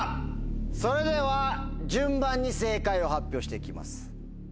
それでは順番に正解を発表して行きます。